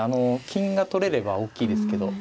金が取れれば大きいですけど。